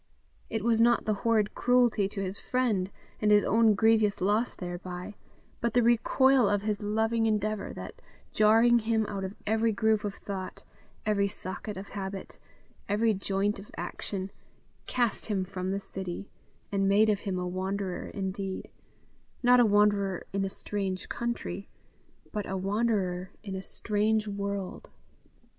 It was not the horrid cruelty to his friend, and his own grievous loss thereby, but the recoil of his loving endeavour that, jarring him out of every groove of thought, every socket of habit, every joint of action, cast him from the city, and made of him a wanderer indeed, not a wanderer in a strange country, but a wanderer in a strange world.